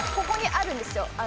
ここにあるんですよ